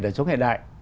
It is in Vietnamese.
của cuộc sống hiện đại